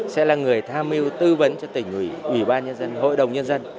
sẽ là người tham mưu tư vấn cho tỉnh ủy ủy ban nhân dân hội đồng nhân dân